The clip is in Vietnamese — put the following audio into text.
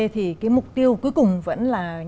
thì mục tiêu cuối cùng vẫn là